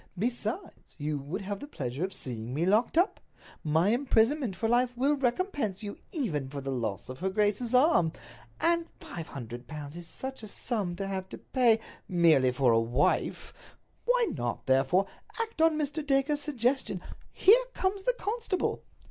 Besides, you would have the pleasure of seeing me locked up. My imprisonment for life would recompense you even for the loss of her grace's arm. And five hundred pounds is such a sum to have to pay—merely for a wife! Why not, therefore, act on Mr. Dacre's suggestion? Here comes the constable."